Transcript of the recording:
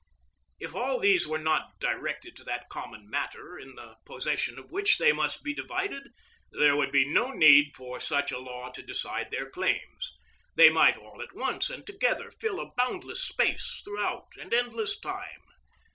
If all these were not directed to that common matter in the possession of which they must be divided, there would be no need for such a law to decide their claims. They might all at once and together fill a boundless space throughout an endless time.